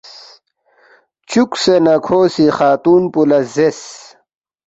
چُوکسے نہ کھو سی خاتون پو لہ زیرس،